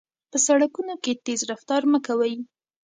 په سړکونو کې تېز رفتار مه کوئ.